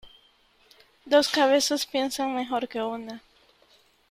Dos cabezas piensan mejor que una.